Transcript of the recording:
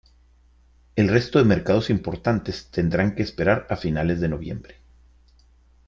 El resto de mercados importantes tendrán que esperar a finales de noviembre.